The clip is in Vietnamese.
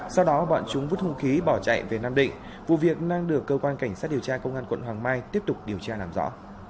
sau đó bọn chúng vứt hung khí bỏ chạy về nam định vụ việc đang được cơ quan cảnh sát điều tra công an quận hoàng mai tiếp tục điều tra làm rõ